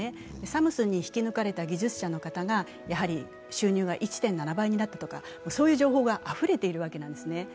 サムスンに引き抜かれた技術者の方がやはり収入が１．７倍になったとかそういう情報があふれているわけなんですね。